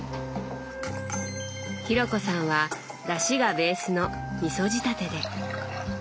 紘子さんはだしがベースのみそ仕立てで。